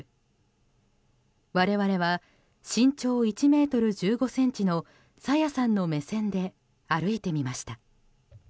我々は、身長１ｍ１５ｃｍの朝芽さんの目線で歩いてみました。